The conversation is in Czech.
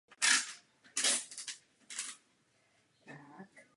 Vystudoval právnickou fakultu University Karlovy v Praze.